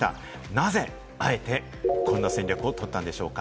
なぜ、あえてこのような戦略をとったんでしょうか？